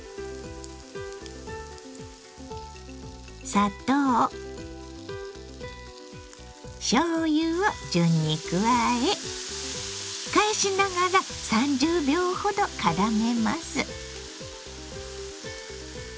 砂糖しょうゆを順に加え返しながら３０秒ほどからめます。